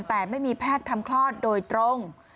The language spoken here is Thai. แต่ไม่มีแพทย์ทำคลอดโดยตรง